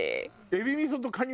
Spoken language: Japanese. エビ味噌とカニ